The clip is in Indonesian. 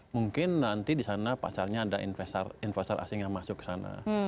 mungkin nanti di sana pasarnya ada investor asing yang masuk ke sana